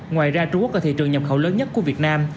ngoài ra trung quốc là thị trường nhập khẩu lớn nhất của việt nam